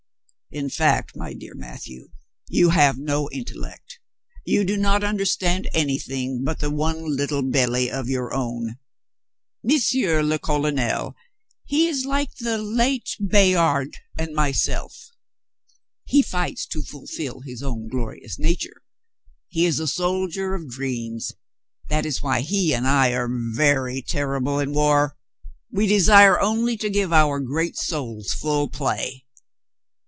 "In fact, my dear M,atthieu, you have no intellect. You do not understand anything but the one little belly of your own. M. le Colonel, he is like the late Bayard and myself; he fights to fulfil his own glori ous nature. He is a soldier of dreams. That is why he and I are very terrible in war. We desire only to give our great souls full play."